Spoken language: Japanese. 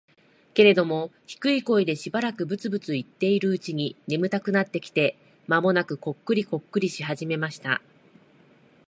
けれども、低い声でしばらくブツブツ言っているうちに、眠たくなってきて、間もなくコックリコックリし始めました。